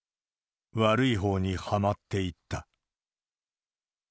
悪いほうにはまっていった。